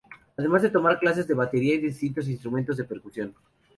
Además de tomar clases de batería y de distintos instrumentos de percusión.